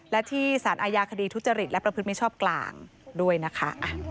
และที่สารอาญาคดีทุจริตและประพฤติมิชชอบกลางด้วยนะคะ